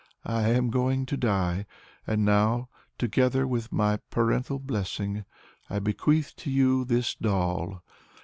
I am going to die. And now, together with my parental blessing, I bequeath to you this doll.